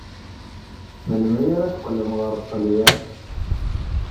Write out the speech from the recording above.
Melmi ara teqqlem ɣer Ṭṭalyan?